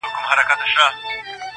د هر قوم له داستانو څخه خبر وو.!